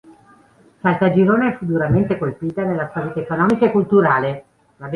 Caltagirone fu duramente colpita nella sua vita economica e culturale.